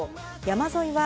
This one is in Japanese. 山沿いは